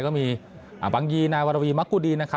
ก็มีอบังยีนายวรวีมะกูดี